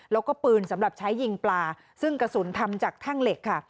แล้วก็ปืนสำหรับใช้ยิงปลาซึ่งกระสุนทำจากแท่งเหล็กค่ะ